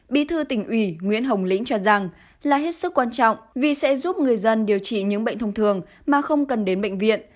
bí thư tỉnh ủy nguyễn hồng lĩnh cho rằng là hết sức quan trọng vì sẽ giúp người dân điều trị những bệnh thông thường mà không cần đến bệnh viện